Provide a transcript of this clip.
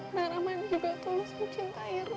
nah ramadi juga tulus mencintai rom